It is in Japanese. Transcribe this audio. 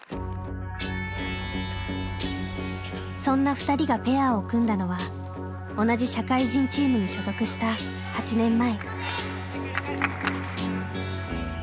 そんなふたりがペアを組んだのは同じ社会人チームに所属した８年前。